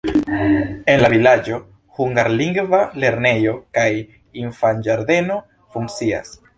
En la vilaĝo hungarlingva lernejo kaj infanĝardeno funkcias.